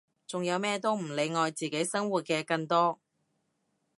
仲有咩都唔理愛自己生活嘅更多！